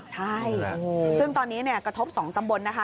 ใช่ซึ่งตอนนี้เนี่ยกระทบสองตำบนนะคะ